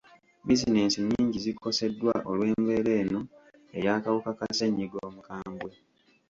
Bizinesi nnyingi zikoseddwa olw'embeera eno ey'akawuka ka ssennyiga omukambwe.